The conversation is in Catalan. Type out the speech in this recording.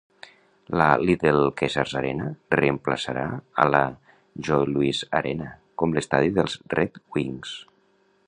La Little Caesars Arena reemplaçarà a la Joe Louis Arena com l'estadi dels Red Wings.